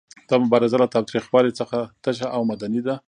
دا مبارزه له تاوتریخوالي څخه تشه او مدني ده.